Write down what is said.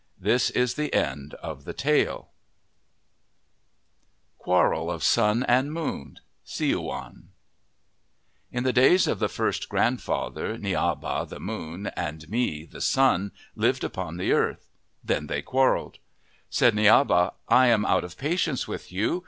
This is the end of the tale. 68 OF THE PACIFIC NORTHWEST QUARREL OF SUN AND MOON Siouan IN the days of the first grandfather, Niaba, the Moon, and Mi, the Sun, lived upon the earth. Then they quarrelled. Said Niaba :" I am out of patience with you.